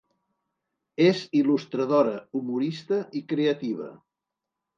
És il·lustradora, humorista i creativa.